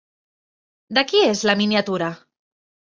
De qui és la miniatura?